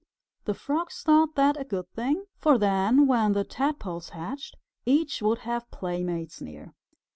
The Frogs thought that a good thing, for then, when the Tadpoles hatched, each would have playmates near.